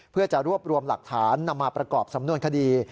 เพื่อจะรวบรวมหลักฐานนำมาประกอบสำนวนคดี